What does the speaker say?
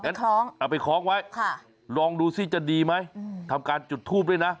เอาไปคล้องค่ะลองดูสิจะดีไหมทำการจุดทูบด้วยนะ